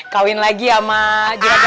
kawin lagi sama jirajat jengkol